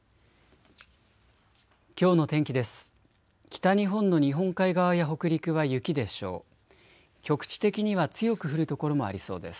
きょうの天気です。